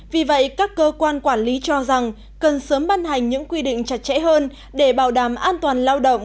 vì vậy các cơ quan quản lý cho rằng cần sớm ban hành những quy định chặt chẽ hơn để bảo đảm an toàn lao động